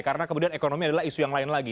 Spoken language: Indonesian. karena kemudian ekonomi adalah isu yang lain lagi